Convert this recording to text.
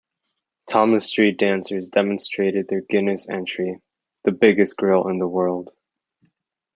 Tomas Street Dancers demonstrated their Guinness entry: "the biggest grill in the world".